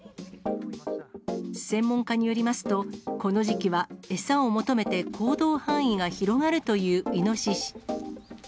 専門家によりますと、この時期は餌を求めて行動範囲が広がるというイノシシ。